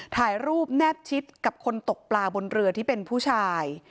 ถ่ายรูปแนบชิดกับคนตกปลาบนเรือที่เป็นผู้ชาย